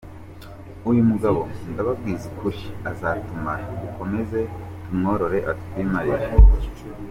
uyu mugabo ndabaabwiza ukuri azatumara, dukomeze tumworore atwimarire!